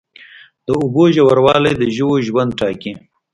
د اوبو ژوروالی د ژویو ژوند ټاکي.